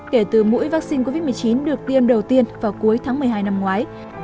kể từ mũi vaccine covid một mươi chín được tiêm đầu tiên vào cuối tháng một mươi hai năm ngoái